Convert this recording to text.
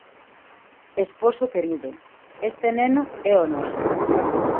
Esposo querido, este neno é o noso.